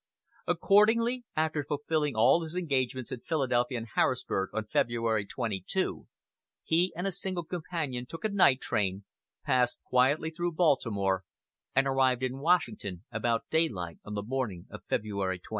Accordingly, after fulfilling all his engagements in Philadelphia and Harrisburg on February 22, he and a single companion took a night train, passed quietly through Baltimore, and arrived in Washington about daylight on the morning of February 23.